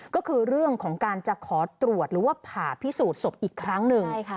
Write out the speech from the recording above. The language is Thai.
ก็คือเรื่องของการจะขอตรวจหรือว่าผ่าพิสูจน์ศพอีกครั้งหนึ่ง